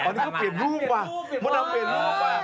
ตอนนี้เปลี่ยนรูปซ์มดดำเปลี่ยนรูปซ์